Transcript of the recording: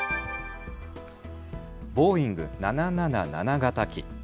ボーイング７７７型機。